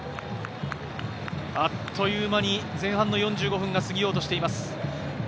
あっという間に前半の４５分が過ぎようとしています。